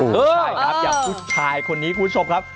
ใช่ครับอย่างผู้ชายคนนี้คุณผู้ชมครับ